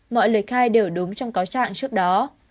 mọi lời khai đều đúng trong cáo trạng trước đó